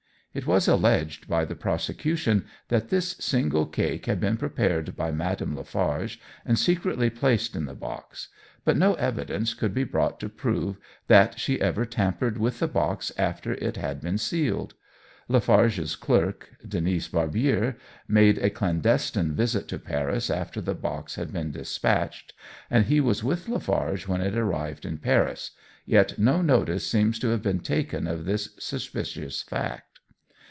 It was alleged by the prosecution that this single cake had been prepared by Madame Lafarge, and secretly placed in the box; but no evidence could be brought to prove that she ever tampered with the box after it had been sealed. Lafarge's clerk, Denis Barbier, made a clandestine visit to Paris after the box had been despatched, and he was with Lafarge when it arrived in Paris, yet no notice seems to have been taken of this suspicious fact.